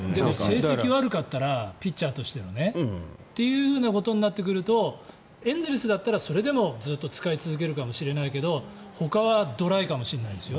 ピッチャーの成績が悪かったらということになってくるとエンゼルスだったらそれでもずっと使い続けるかもしれないけどほかはドライかもしれないですよ。